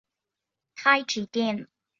太极殿是紫禁城内廷西六宫之一。